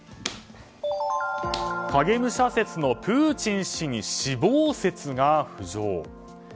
影武者説のプーチン氏に死亡説が浮上。